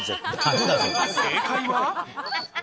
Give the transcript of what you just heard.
正解は。